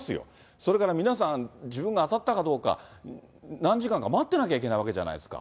それから皆さん、自分が当たったかどうか、何時間か待ってなきゃいけないわけじゃないですか。